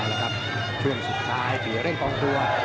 แล้วครับช่วงสุดท้ายที่จะเล่นกองทัวร์